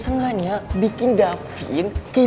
seenganya bikin davin kehilangan kesempatan untuk dikenal